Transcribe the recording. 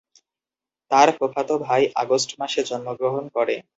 তার ফুফাতো ভাই আগস্ট মাসে জন্মগ্রহণ করে।